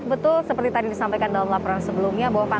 betul seperti tadi disampaikan dalam laporan sebelumnya